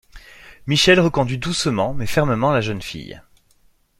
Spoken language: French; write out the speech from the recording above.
Michele reconduit doucement mais fermement la jeune fille.